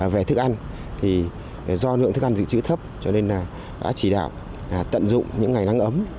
về thức ăn thì do lượng thức ăn dự trữ thấp cho nên đã chỉ đạo tận dụng những ngày nắng ấm